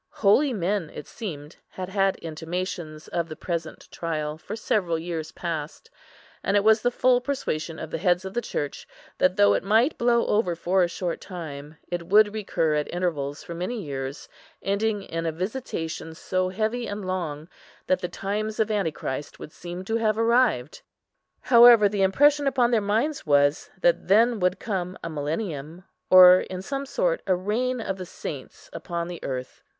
Holy men, it seemed, had had intimations of the present trial for several years past; and it was the full persuasion of the heads of the Church, that, though it might blow over for a short time, it would recur at intervals for many years, ending in a visitation so heavy and long, that the times of Antichrist would seem to have arrived. However, the impression upon their minds was, that then would come a millennium, or, in some sort, a reign of the saints upon the earth.